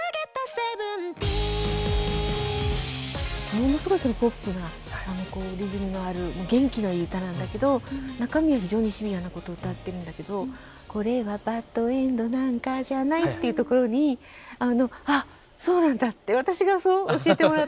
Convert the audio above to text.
ものすごいポップなこうリズムのある元気のいい歌なんだけど中身は非常にシビアなことを歌ってるんだけど「これはバッドエンドなんかじゃない」っていうところにあっそうなんだって私がそう教えてもらった。